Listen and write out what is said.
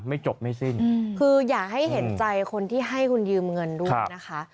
ไม่จบไม่สิ้นคืออยากให้เห็นใจคนที่ให้คุณยืมเงินด้วยนะคะ